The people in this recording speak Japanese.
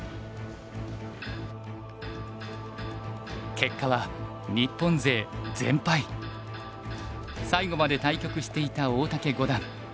結果は最後まで対局していた大竹五段。